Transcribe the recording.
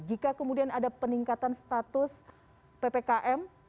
jika kemudian ada peningkatan status ppkm